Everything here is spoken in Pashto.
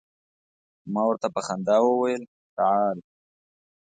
ما ورته په خندا وویل تعال.